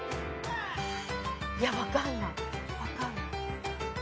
いや分かんない分かんない。